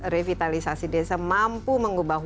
revitalisasi desa mampu mengubah